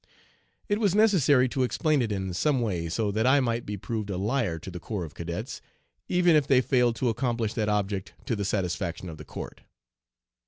It was necessary to explain it in some way so that I might be proved a liar to the corps of cadets, even if they failed to accomplish that object to the satisfaction of the court.